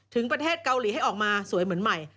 ประเทศเกาหลีให้ออกมาสวยเหมือนใหม่